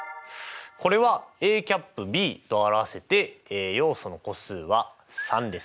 これはＡ∩Ｂと表せて要素の個数は３です。